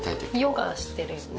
ヨガしてるよね。